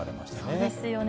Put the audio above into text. そうですよね。